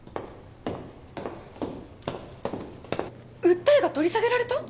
訴えが取り下げられた？